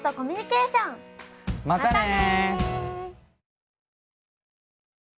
またね！